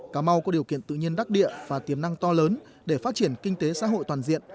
cà mau có điều kiện tự nhiên đắc địa và tiềm năng to lớn để phát triển kinh tế xã hội toàn diện